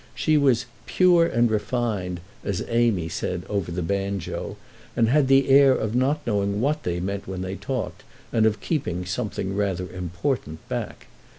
She was "pure and refined," as Amy said over the banjo, and had the air of not knowing what they meant when they talked, and of keeping something rather important back.